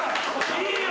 いいよ！